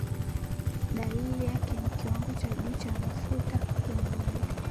dalili yake ni kiwango cha juu cha mafuta kwenye mwili